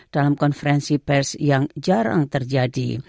dalam konferensi pers yang jarang terjadi